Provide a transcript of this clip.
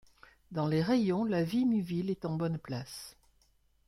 Dans les rayons, la Vimuville est en bonne place...